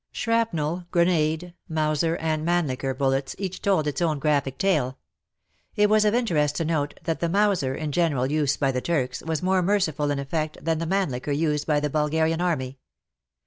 Shrapnel, Grenade, Mauser and Mannlicher bullets each told its own graphic tale. It was of interest to note that the Mauser, in general use by the Turks, was more merciful in effect than the Mannlicher used by the Bulgarian army.